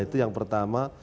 itu yang pertama